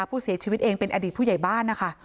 ผู้เสียชีวิตเองเป็นอดีตผู้ใหญ่บ้านนะคะ